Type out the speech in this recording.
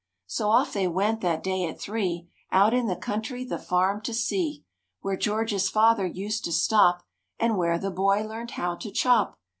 J7S tP'' So off they went that day at three Out in the country the farm to see Where George's father used to stop And where the boy learned how to chop.